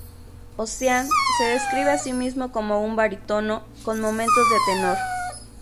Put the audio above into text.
Ocean se describe a sí mismo como "un barítono, con momentos de tenor.